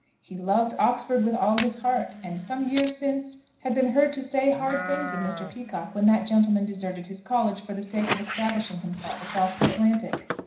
He loved Oxford with all his heart, and some years since had been heard to say hard things of Mr. Peacocke, when that gentleman deserted his college for the sake of establishing himself across the Atlantic.